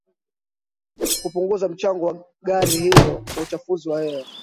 kupunguza mchango wa gari hilo kwa uchafuzi wa hewa